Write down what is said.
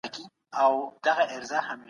اقتصادي پرمختيا د هېواد د هوساينې کچه لوړوي.